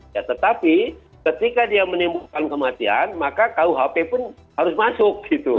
ya tetapi ketika dia menimbulkan kematian maka kuhp pun harus masuk gitu